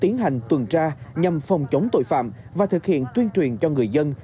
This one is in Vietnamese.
tiến hành tuần tra nhằm phòng chống tội phạm và thực hiện tuyên truyền cho người dân